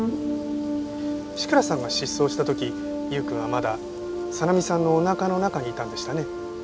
志倉さんが失踪した時優くんはまださなみさんのお腹の中にいたんでしたね？